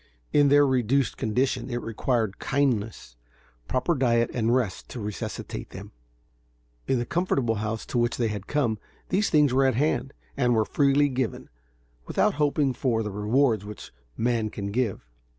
In their reduced condition, it required kindness, proper diet and rest to resuscitate them. In the comfortable house to which they had come, these things were at hand, and were freely given, without hoping for the rewards which man can give.